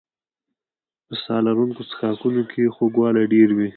په ساه لرونکو څښاکونو کې خوږوالی ډېر وي.